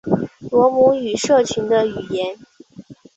罗姆语社群的语言。